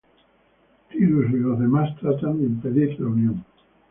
Tidus y los demás tratan de impedir la unión.